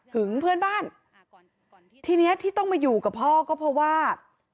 ถึงเพื่อนบ้านทีเนี้ยที่ต้องมาอยู่กับพ่อก็เพราะว่า